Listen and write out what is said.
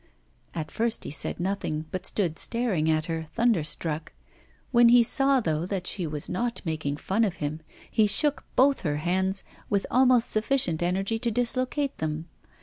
At first he said nothing, but stood staring at her, thunderstruck. When he saw, though, that she was not making fun of him, he shook both her hands, with almost sufficient energy to dislocate them.